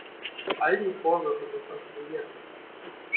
All die Vorwürfe sind konstruiert.